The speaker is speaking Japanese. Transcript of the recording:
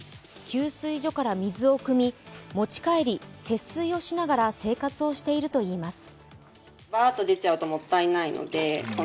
給水所から水をくみ、持ち帰り節水をしながら生活をしているといいます。